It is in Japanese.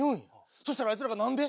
そしたらあいつらが「何で？